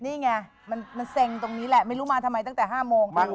นี่ไงมันเซ็งตรงนี้แหละไม่รู้มาทำไมตั้งแต่๕โมง